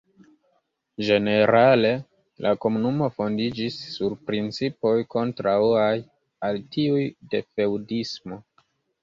Ĝenerale la Komunumo fondiĝis sur principoj kontraŭaj al tiuj de feŭdismo.